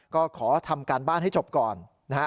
ก็ขอทำการบ้านให้จบก่อนนะฮะ